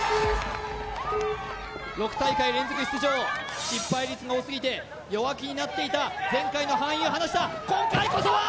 ６大会連続出場失敗率が多すぎて弱気になっていた前回の敗因を話したえー！